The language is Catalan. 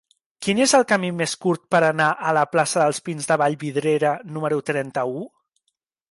Quin és el camí més curt per anar a la plaça dels Pins de Vallvidrera número trenta-u?